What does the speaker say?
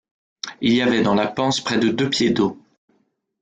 Il y avait dans la panse près de deux pieds d’eau.